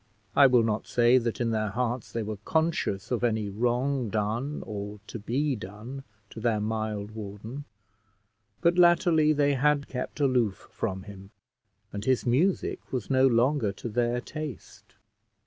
I will not say that in their hearts they were conscious of any wrong done or to be done to their mild warden, but latterly they had kept aloof from him, and his music was no longer to their taste.